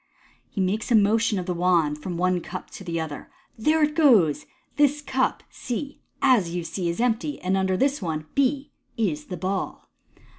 He makes a motion of the wand from the one cup to the other. '* There it goes ! This cup (C), as you see, is empty, and under this one (B) is the ball.